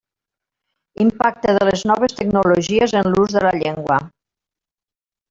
Impacte de les noves tecnologies en l'ús de la llengua.